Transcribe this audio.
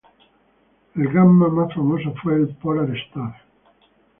El "Gamma" más famoso fue el "Polar Star".